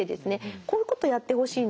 こういうことやってほしいの。